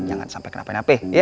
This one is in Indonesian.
jangan sampai kenapain apai ya